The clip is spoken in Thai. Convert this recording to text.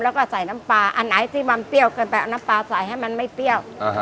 แล้วก็ใส่น้ำปลาอันไหนที่มันเปรี้ยวเกินไปเอาน้ำปลาใส่ให้มันไม่เปรี้ยว